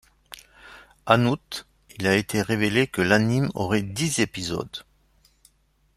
En août, il a été révélé que l'anime aurait dix épisodes.